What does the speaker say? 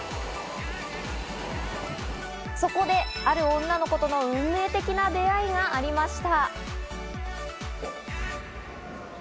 そこで、ある女の子との運命的な出会いがありました。